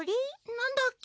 なんだっけ？